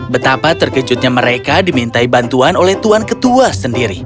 betapa terkejutnya mereka dimintai bantuan oleh tuan ketua sendiri